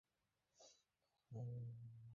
দাদার চারা রোপনের জন্য লোক দরকার তোমরা আসবে?